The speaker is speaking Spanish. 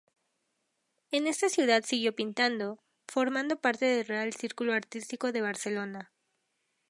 En esta ciudad siguió pintando, formando parte del Real Círculo Artístico de Barcelona.